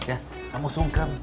ya kamu sungkem